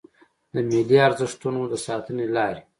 د ملي ارزښتونو د ساتنې لارې